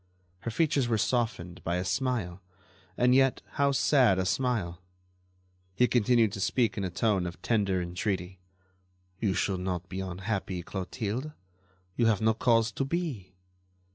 Her features were softened by a smile, and yet how sad a smile! He continued to speak in a tone of tender entreaty: "You should not be unhappy, Clotilde; you have no cause to be."